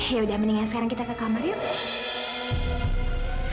yaudah mendingan sekarang kita ke kamar yuk